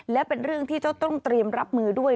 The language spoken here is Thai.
และเป็นเรื่องที่เจ้าต้องเตรียมรับมือด้วย